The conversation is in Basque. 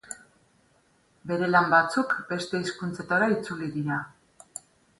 Bere lan batzuk beste hizkuntzetara itzuli dira.